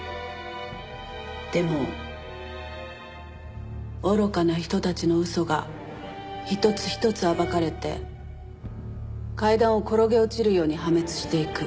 でも愚かな人たちの嘘が一つ一つ暴かれて階段を転げ落ちるように破滅していく。